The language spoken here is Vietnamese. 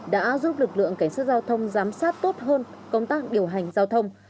đã giúp lực lượng cảnh sát giao thông giám sát tốt hơn công tác điều hành giao thông